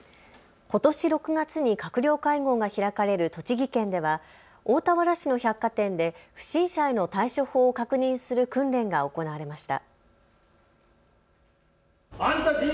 ことし６月に閣僚会合が開かれる栃木県では大田原市の百貨店で不審者への対処法を確認する訓練が行われました。